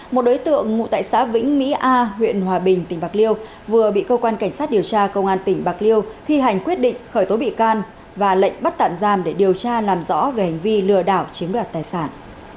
một đối tượng ngụ tại xã vĩnh mỹ a huyện hòa bình tỉnh bạc liêu vừa bị cơ quan cảnh sát điều tra công an tỉnh bạc liêu thi hành quyết định khởi tố bị can và lệnh bắt tạm giam để điều tra làm rõ về hành vi lừa đảo chiếm đoạt tài sản